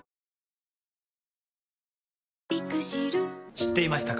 知っていましたか？